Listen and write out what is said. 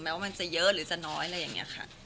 ว่ามันจะเยอะหรือจะน้อยอะไรอย่างนี้ค่ะ